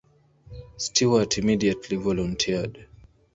Stewart immediately volunteered.